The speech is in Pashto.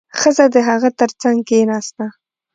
ښځه د هغه تر څنګ کېناسته.